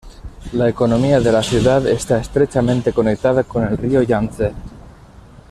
La economía de la ciudad está estrechamente conectada con el río Yangtze.